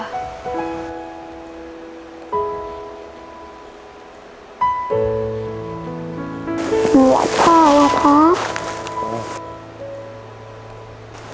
หัวข้าวเหรอคะ